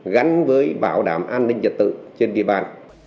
gắn với bảo đảm an ninh trật tự trên địa bàn